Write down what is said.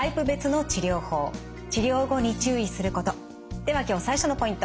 では今日最初のポイント。